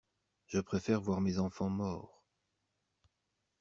Je préfère voir mes enfants morts.